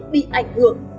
bị ảnh hưởng